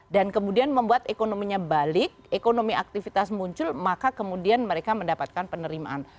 dan kemudian membuat ekonominya balik ekonomi aktivitas muncul maka kemudian mereka mendapatkan penerimaan